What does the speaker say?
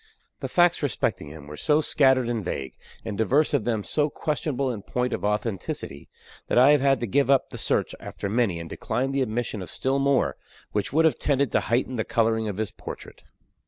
The facts respecting him were so scattered and vague, and divers of them so questionable in point of authenticity, that I have had to give up the search after many, and decline the admission of still more, which would have tended to heighten the coloring of his portrait.